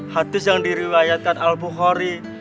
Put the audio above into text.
hatis yang diriwayatkan al bukhari